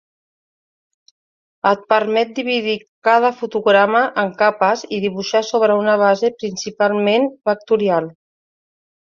Et permet dividir cada fotograma en capes i dibuixar sobre una base principalment vectorial.